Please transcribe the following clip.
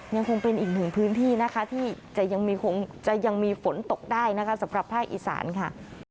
ยังคงเป็นอีกหนึ่งพื้นที่นะคะที่จะยังมีฝนตกได้นะคะสำหรับภาคอีสานค่ะ